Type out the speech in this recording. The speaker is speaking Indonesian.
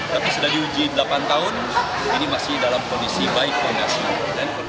tapi sudah diuji delapan tahun ini masih dalam kondisi baik ponasi